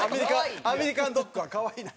アメリカンドッグは可愛ない？